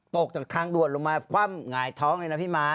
ตกจากทางด่วนลงมาคว่ำหงายท้องเลยนะพี่ม้า